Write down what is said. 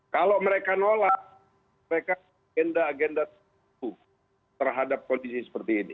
kalau mereka nolak mereka agenda agenda tertentu terhadap kondisi seperti ini